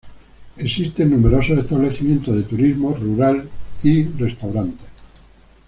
Existen numerosos establecimientos de turismo rural y restaurantes.